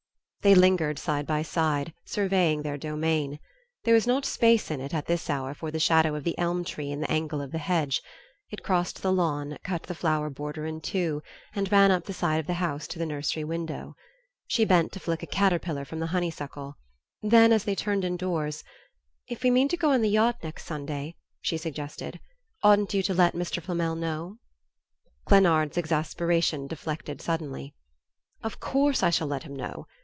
They lingered side by side, surveying their domain. There was not space in it, at this hour, for the shadow of the elm tree in the angle of the hedge; it crossed the lawn, cut the flower border in two, and ran up the side of the house to the nursery window. She bent to flick a caterpillar from the honey suckle; then, as they turned indoors, "If we mean to go on the yacht next Sunday," she suggested, "oughtn't you to let Mr. Flamel know?" Glennard's exasperation deflected suddenly. "Of course I shall let him know.